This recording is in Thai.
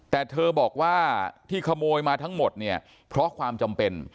แต่เธอบอกว่าที่ขโมยมาทั้งหมดเนี่ยเพราะความจำเป็น